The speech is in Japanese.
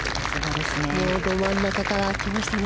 ど真ん中から来ました。